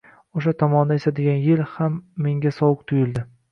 O`sha tomondan esadigan el ham menga sovuq tuyuldi